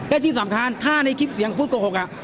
และที่สำคัญถ้าในคลิปเสียงพูดโกหก